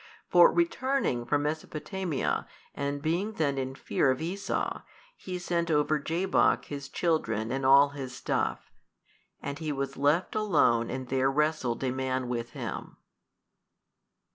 For returning from Mesopotamia and being then in fear of Esau, he sent over Jabok his children and all his stuff, and he was left alone and there wrestled a man with him.